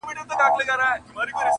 o نه چي دا سپرلی دي بې وخته خزان سي,